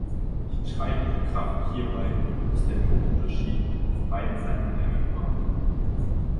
Die treibende Kraft hierbei ist der Druckunterschied auf beiden Seiten der Membran.